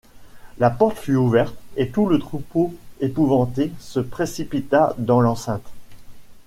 La porte fut ouverte, et tout le troupeau épouvanté se précipita dans l’enceinte.